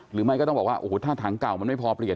หรือไม่ก็ต้องบอกว่าโอ้โหถ้าถังเก่ามันไม่พอเปลี่ยน